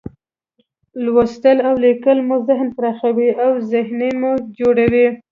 لوستل او لیکل مو ذهن پراخوي، اوذهین مو جوړوي.